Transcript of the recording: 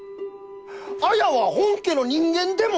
綾は本家の人間でもない！